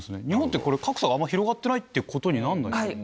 日本ってこれ、格差があんまり広がってないことになるのかな。